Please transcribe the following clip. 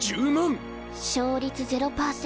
勝率０％。